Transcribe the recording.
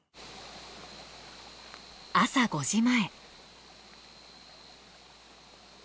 朝５時前。